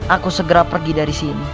aku segera pergi dari sini